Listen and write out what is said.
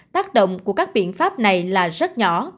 tác động của các biện pháp này là rất nhỏ